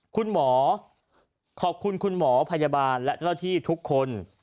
คุณหมอขอบคุณคุณหมอพยาบาลและเจ้าหน้าที่ทุกคน